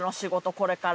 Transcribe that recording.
これから。